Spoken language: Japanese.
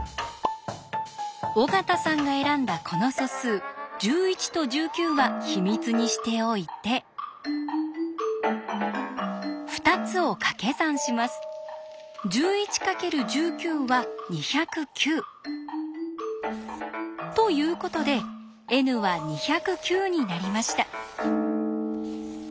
尾形さんが選んだこの素数１１と１９は秘密にしておいて２つをかけ算します。ということでＮは２０９になりました。